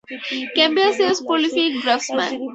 Cambiasi was a prolific draftsman.